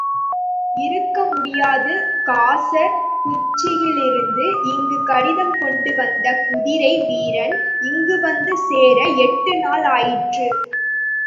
இருக்கமுடியாது coarser குச்சிக்கிலிருந்து இங்கு கடிதம் கொண்டு வந்த குதிரை வீரன் இங்குவந்து சேர எட்டுநாள் ஆயிற்று.